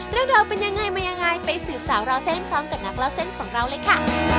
เรื่องราวเป็นยังไงมายังไงไปสืบสาวราวเส้นพร้อมกับนักเล่าเส้นของเราเลยค่ะ